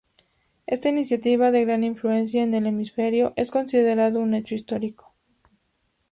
Esta iniciativa de gran influencia en el hemisferio, es considerado un hecho histórico.